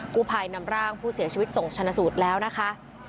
ผู้ภัยนำร่างผู้เสียชีวิตส่งชนะสูตรแล้วนะคะ